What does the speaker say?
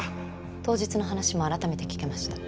当日の話も改めて聞けました。